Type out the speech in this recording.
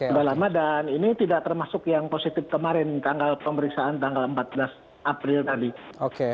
sudah lama dan ini tidak termasuk yang positif kemarin tanggal pemeriksaan tanggal empat belas april tadi